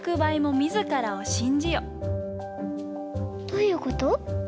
どういうこと？